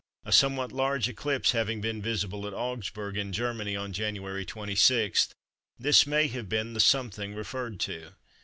A somewhat large eclipse having been visible at Augsburg in Germany, on January 26, this may have been the "something" referred to.